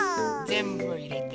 ぜんぶいれて。